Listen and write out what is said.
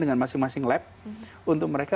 dengan masing masing lab untuk mereka